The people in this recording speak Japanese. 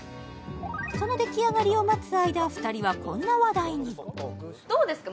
その出来上がりを待つ間２人はこんな話題にどうですか？